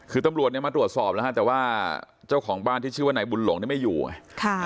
คือตำรวจเนี่ยมาตรวจสอบแล้วฮะแต่ว่าเจ้าของบ้านที่ชื่อว่านายบุญหลงไม่อยู่ไง